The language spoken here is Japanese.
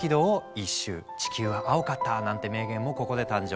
「地球は青かった」なんて名言もここで誕生。